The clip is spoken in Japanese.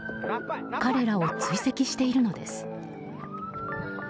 彼らを追跡しているのです。